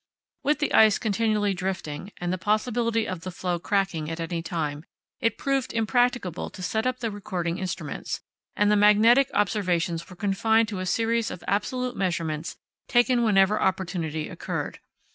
With the ice continually drifting, and the possibility of the floe cracking at any time, it proved impracticable to set up the recording instruments, and the magnetic observations were confined to a series of absolute measurements taken whenever opportunity occurred.